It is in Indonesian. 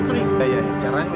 terus caranya bagaimana tuanku pri